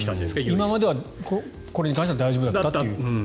今まではこれに対しては大丈夫だったと。